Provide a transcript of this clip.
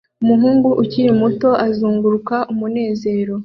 Umuhungu ukiri muto azunguruka umunezero